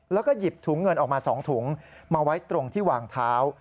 แล้วก็หยิบถุงเงินออกมา๒ถุงมาไว้ตรงที่วางเท้า